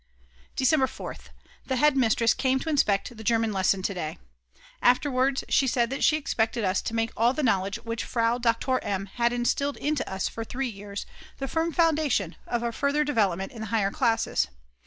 December 4th. The head mistress came to inspect the German lesson to day. Afterwards she said that she expected us to make all the knowledge which Frau Doktor M. had instilled into us for 3 years, the firm foundation of our further development in the higher classes.